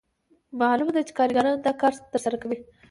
معلومه ده چې کارګران دا کار ترسره کوي